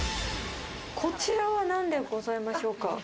こちらは何でございましょうか？